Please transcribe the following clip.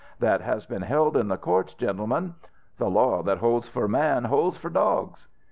That has been held in the courts, gentlemen. The law that holds for man holds for dogs.